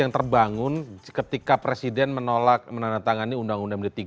yang terbangun ketika presiden menolak menandatangani undang undang md tiga